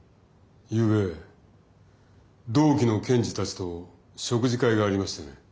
ゆうべ同期の検事たちと食事会がありましてね。